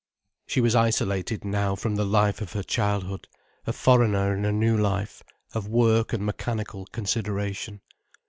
She was isolated now from the life of her childhood, a foreigner in a new life, of work and mechanical consideration.